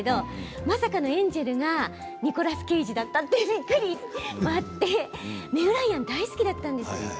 まさかエンジェルがニコラス・ケイジだったというメグ・ライアンが大好きだったんです。